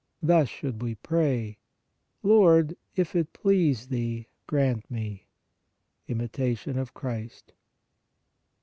Thus should we pray: "Lord, if it please Thee, grant me ..." (Imitation of Christ).